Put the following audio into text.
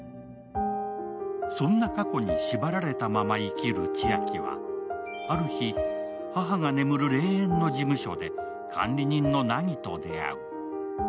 そんな過去に縛られたまま生きる千晶は、ある日、母が眠る霊園の事務所で管理人の凪と出会う。